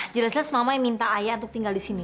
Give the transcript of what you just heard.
jelas jelas mama yang minta ayah untuk tinggal disini